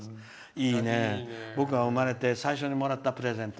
いいね、僕が生まれて最初のプレゼント